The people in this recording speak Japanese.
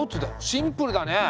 シンプルだね。